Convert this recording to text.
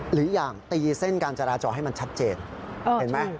หรืออย่างตีเส้นการจราจรให้มันชัดเจนเห็นไหม